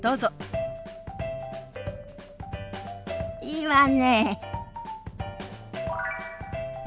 いいわね。